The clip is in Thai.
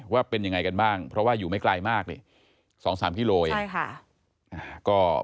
ว่าเป็นอย่างไรกันบ้างเพราะว่าอยู่ไม่ไกลมาก๒๓คิโลกรัม